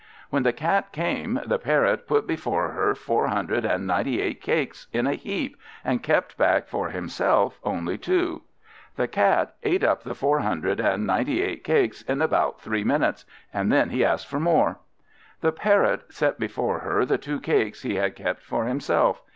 When the Cat came, the Parrot put before her four hundred and ninety eight cakes, in a heap, and kept back for himself only two. The Cat ate up the four hundred and ninety eight cakes in about three minutes, and then asked for more. The Parrot set before her the two cakes he had kept for himself.